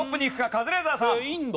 カズレーザーさん。